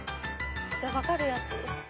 じゃあ分かるやつ。